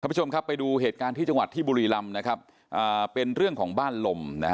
คุณผู้ชมครับไปดูเหตุการณ์ที่บุรีรำเป็นเรื่องของบ้านลม